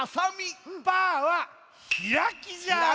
パーはひらきじゃ。